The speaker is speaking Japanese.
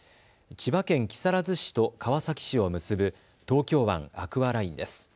千葉県木更津市と川崎市を結ぶ東京湾アクアラインです。